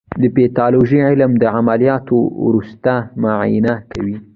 د پیتالوژي علم د عملیاتو وروسته معاینه کوي.